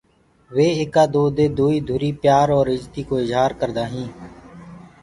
وي ايڪآ دو دي دوئيٚ ڌُري پيآر اور اِجتي ڪو اجهآر ڪردآ هين۔